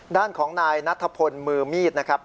ด้านของนายนัทพลมือมีดนะครับ